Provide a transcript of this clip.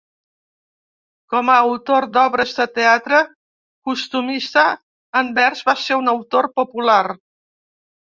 Com a autor d'obres de teatre costumista en vers va ser un autor popular.